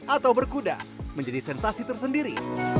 atau berkuda menjadi sensasi tersendiri